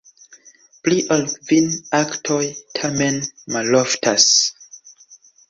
Pli ol kvin aktoj tamen maloftas.